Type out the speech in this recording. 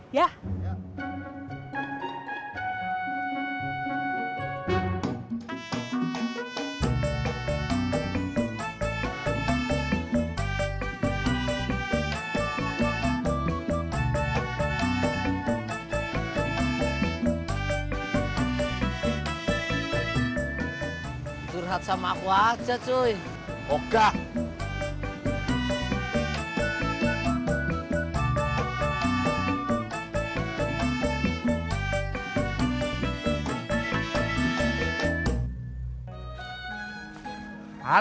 ayo berhenti keukurannya